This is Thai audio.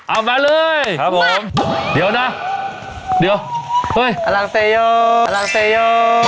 เอามาเลยครับผมเดี๋ยวนะเดี๋ยวเฮ้ยอลังเซโยรังเซโย